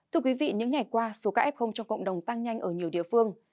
thưa quý vị những ngày qua số ca f cho cộng đồng tăng nhanh ở nhiều địa phương